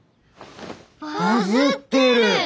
バズってる！